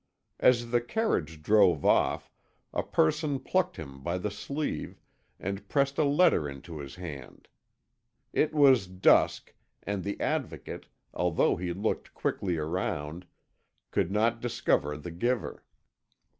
As the carriage drove off, a person plucked him by the sleeve, and pressed a letter into his hand. It was dusk, and the Advocate, although he looked quickly around, could not discover the giver.